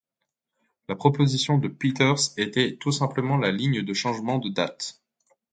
La proposition de Peters était tout simplement la ligne de changement de date.